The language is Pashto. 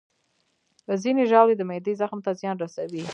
ځینې ژاولې د معدې زخم ته زیان رسوي.